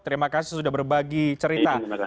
terima kasih sudah berbagi cerita